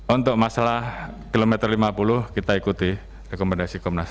untuk masalah kilometer lima puluh kita ikuti rekomendasi komnas